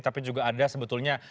tapi juga ada sebetulnya